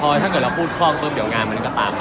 เพราะถ้าเกิดเราพูดพกล้องเดี๋ยวงานมันก็ตามมา